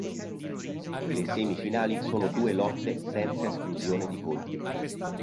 Le semifinali sono due lotte senza esclusione di colpi.